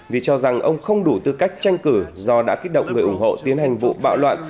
vì cho rằng ông không đủ tư cách tranh cử do đã kích động người ủng hộ tiến hành vụ bạo loạn